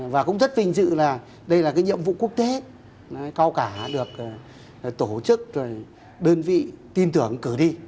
và cũng rất vinh dự là đây là cái nhiệm vụ quốc tế cao cả được tổ chức đơn vị tin tưởng cử đi